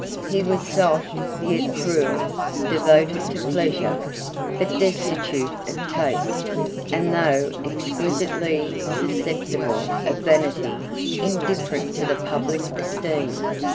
He was soft, yet cruel; devoted to pleasure, but destitute of taste; and though exquisitely susceptible of vanity, indifferent to the public esteem.